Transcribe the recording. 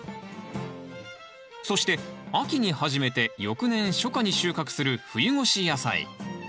そして秋に始めて翌年初夏に収穫する冬越し野菜。